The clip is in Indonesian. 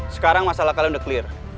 sekarang masalah kalian udah clear